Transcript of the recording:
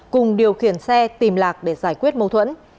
cùng điều khiển xe tìm lạc để giải quyết mâu thuẫn